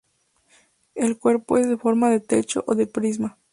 El cuerpo es en forma de techo o de prisma.